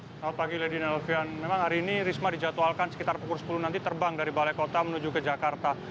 selamat pagi lady nelvian memang hari ini risma dijadwalkan sekitar pukul sepuluh nanti terbang dari balai kota menuju ke jakarta